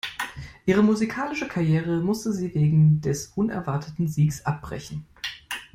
Ihre musikalische Karriere musste sie wegen des unerwarteten Siegs abbrechen.